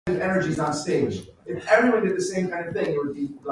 The essay is very revealing of Gergonne's philosophical ideas.